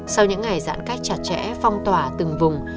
sau những ngày giãn cách chặt chẽ phong tỏa từng vùng